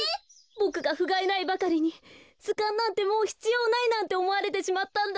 ボクがふがいないばかりにずかんなんてもうひつようないなんておもわれてしまったんだ。